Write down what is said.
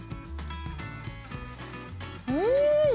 うん！